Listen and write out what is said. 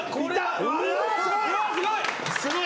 うわすごい！